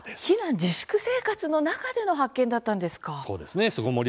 避難・自粛生活の中での発見だったんですか。